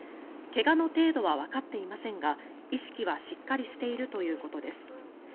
怪我の程度はわかっていませんが意識はしっかりしているということです。